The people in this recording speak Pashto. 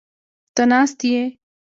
ته ناست یې؟